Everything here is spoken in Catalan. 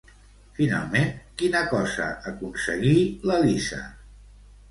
Finalment, quina cosa aconseguí l'Elisa?